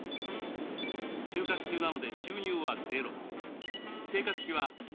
就活中なので収入はゼロ。